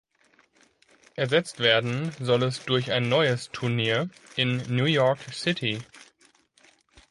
Ersetzt werden soll es durch ein neues Turnier in New York City.